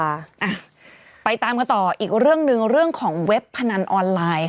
อ่ะไปตามกันต่ออีกเรื่องหนึ่งเรื่องของเว็บพนันออนไลน์ค่ะ